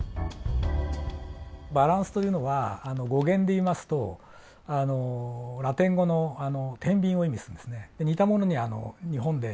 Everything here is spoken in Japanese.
バランスというのは語源でいいますとラテン語の「てんびん」を意味するんですね。